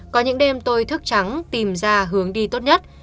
có những đêm tôi thức trắng tìm ra hướng đi tốt nhất